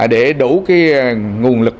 để đủ nguồn lực